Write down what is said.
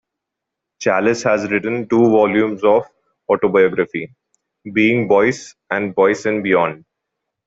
Challis has written two volumes of autobiography, "Being Boycie" and "Boycie and Beyond".